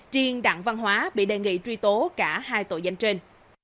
triên đặng văn hóa bị đề nghị truy tố cả hai tội danh trên